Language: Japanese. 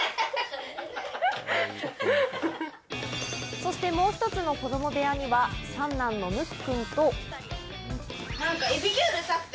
そして、もう一つの子供部屋には三男の椋君と。